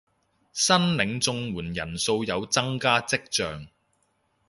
申領綜援人數有增加跡象